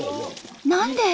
何で？